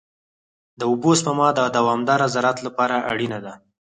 د اوبو سپما د دوامدار زراعت لپاره اړینه ده.